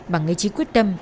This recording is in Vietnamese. bằng ý chí quyết tâm